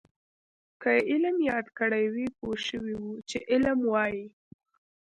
که علم یاد کړی وی پوه شوي وو چې علم وايي.